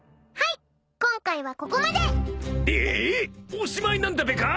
おしまいなんだべか？